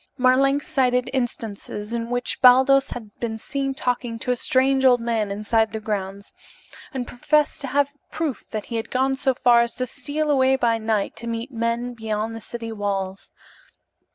Marlanx cited instances in which Baldos had been seen talking to a strange old man inside the grounds, and professed to have proof that he had gone so far as to steal away by night to meet men beyond the city walls.